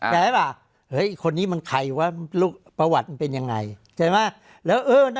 แต่ว่าเฮ้ยอีกคนนี้มันใครวะ